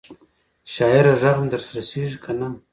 شاعره ږغ مي در رسیږي کنه؟